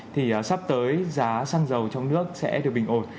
thì sắp tới giá xăng dầu trong nước sẽ được bình ổn